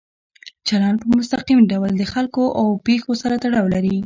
چلند په مستقیم ډول د خلکو او پېښو سره تړاو لري.